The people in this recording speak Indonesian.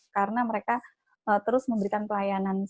karena mereka terus memberikan pelayanan